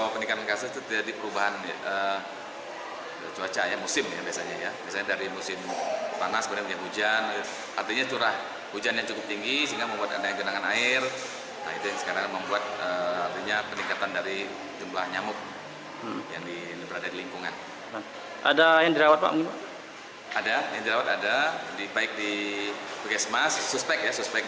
puskesmas suspek ya suspek dpd kemudian kita kirim ke rumah sakit